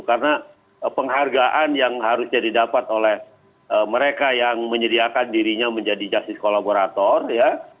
karena penghargaan yang harus jadi dapat oleh mereka yang menyediakan dirinya menjadi justice collaborator ya